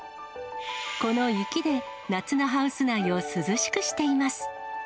この雪で、夏のハウス内を涼しくしています。